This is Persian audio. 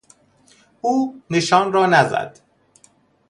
او نشان را نزد.